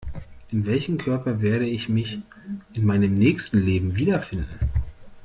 In welchem Körper werde ich mich in meinem nächsten Leben wiederfinden?